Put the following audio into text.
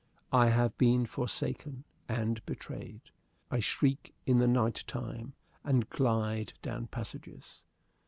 I have been forsaken and betrayed. I shriek in the night time and glide down passages.